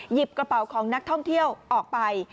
หยิบกระเป๋าของนักท่องเที่ยวออกไป